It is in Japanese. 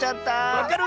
わかる！